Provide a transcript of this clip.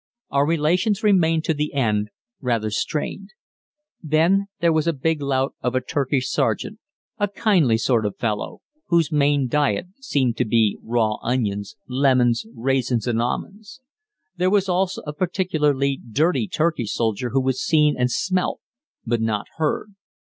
Our relations remained, to the end, rather strained. Then there was a big lout of a Turkish sergeant, a kindly sort of fellow, whose main diet seemed to be raw onions, lemons, raisins, and almonds. There was also a particularly dirty Turkish soldier who was seen and smelt but not heard.